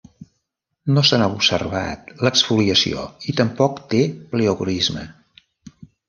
No se n'ha observat l'exfoliació i tampoc té pleocroisme.